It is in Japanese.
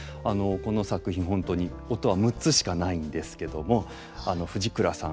この作品本当に音は６つしかないんですけども藤倉さん